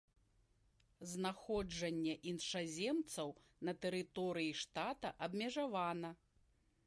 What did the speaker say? Знаходжанне іншаземцаў на тэрыторыі штата абмежавана.